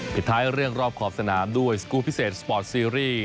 ปิดท้ายเรื่องรอบขอบสนามด้วยสกูลพิเศษสปอร์ตซีรีส์